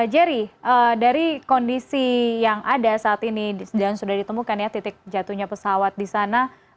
jerry dari kondisi yang ada saat ini dan sudah ditemukan ya titik jatuhnya pesawat di sana